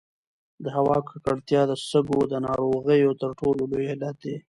د هوا ککړتیا د سږو د ناروغیو تر ټولو لوی علت دی.